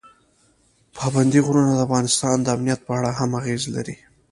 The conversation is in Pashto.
پابندی غرونه د افغانستان د امنیت په اړه هم اغېز لري.